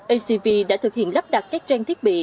acv đã thực hiện lắp đặt các trang thiết bị